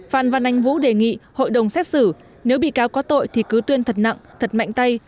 phan văn anh vũ đề nghị hội đồng xét xử nếu bị cáo có tội thì cứ tuyên thật nặng thật mạnh tay